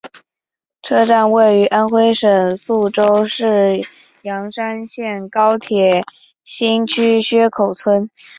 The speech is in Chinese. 车站位于安徽省宿州市砀山县高铁新区薛口村。